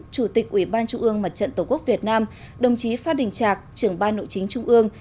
chủ tịch ủy ban trung ương mặt trận tổ quốc việt nam đồng chí phát đình trạc trưởng ban nội chính trung ương